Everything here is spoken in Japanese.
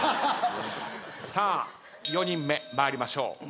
さあ４人目参りましょう。